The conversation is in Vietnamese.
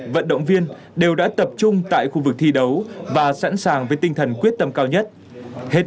vận động viên đều đã tập trung tại khu vực thi đấu và sẵn sàng với tinh thần quyết tâm cao nhất